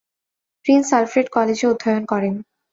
Prince Alfred কলেজে অধ্যয়ন করেন।